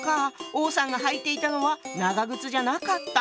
王さんが履いていたのは長靴じゃなかった。